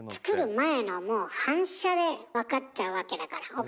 作る前のもう反射で分かっちゃうわけだから。